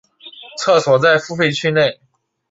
厕所在付费区内。